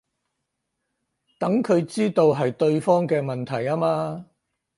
等佢知道係對方嘅問題吖嘛